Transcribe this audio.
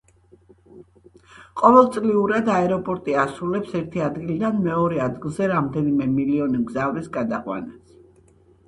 ყოველწლიურად აეროპორტი ასრულებს ერთი ადგილიდან მეორე ადგილზე რამდენიმე მილიონი მგზავრის გადაყვანას.